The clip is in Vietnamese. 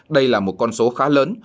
đây là một con số khá lớn